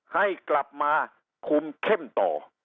ให้กลับมาคุมเข้มต่อ